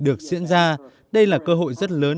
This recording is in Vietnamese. được diễn ra đây là cơ hội rất lớn